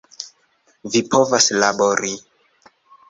Vi povas labori!